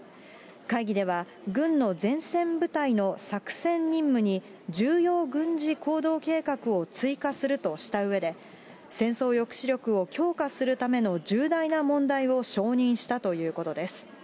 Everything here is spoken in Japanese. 会議では、軍の前線部隊の作戦任務に重要軍事行動計画を追加するとしたうえで、戦争抑止力を強化するための重大な問題を承認したということです。